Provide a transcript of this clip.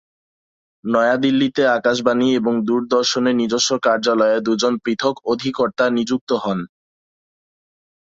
নয়াদিল্লিতে আকাশবাণী এবং দূরদর্শনের নিজস্ব কার্যালয়ে দু'জন পৃথক্ অধিকর্তা নিযুক্ত হন।